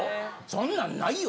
そんなんないよ！